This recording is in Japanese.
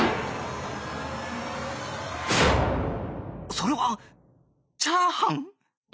それはチャーハン！？